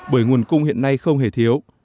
bởi nguồn cung hiện nay không hề thiếu